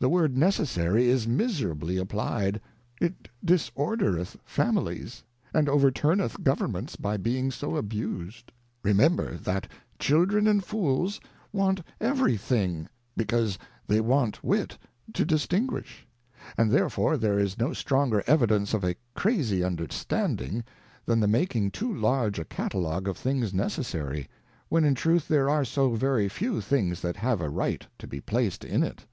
The word necessary is miserably applyed, it disordereth Families, and overturneth GowerwiwfM/* by being so abused. Remember that Children and Fools want every thing because they want W^it to distinguish : and therefore there is no stronger Evidence of a Crazy Understanding, than the making too large a Catalogue of things necessary, when in truth there are so very few things that have a right to be placed in it.